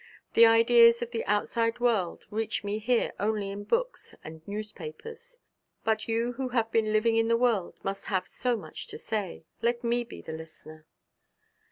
The ideas of the outside world reach me here only in books and newspapers; but you who have been living in the world must have so much to say. Let me be the listener.'